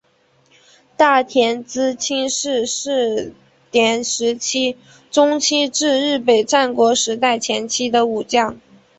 太田资清是室町时代中期至日本战国时代前期的武将。